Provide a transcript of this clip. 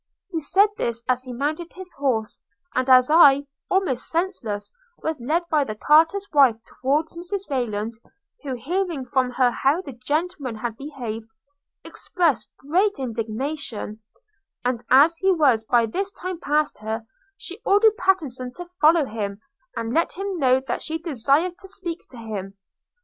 He said this as he mounted his horse, and as I, almost senseless, was led by Carter's wife towards Mrs Rayland, who, hearing from her how the gentleman had behaved, expressed great indignation; and as he was by this time past her, she ordered Pattenson to follow him, and let him know that she desired to speak to him.